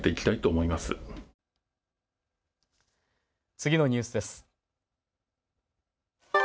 次のニュースです。